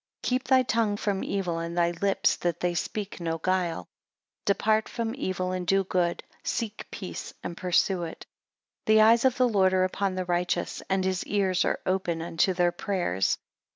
3 Keep thy tongue from evil, and thy lips that they speak no guile. 4 Depart from evil and do good; seek peace and pursue it. 5 The eyes of the Lord are upon the righteous, and his ears are open unto their prayers.